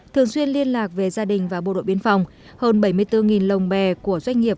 thường xuyên liên lạc về gia đình và bộ đội biên phòng hơn bảy mươi bốn lồng bè của doanh nghiệp